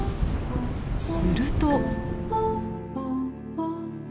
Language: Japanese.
すると。